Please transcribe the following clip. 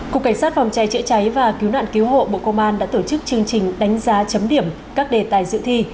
cục cảnh sát phòng cháy chữa cháy và cứu nạn cứu hộ bộ công an đã tổ chức chương trình đánh giá chấm điểm các đề tài dự thi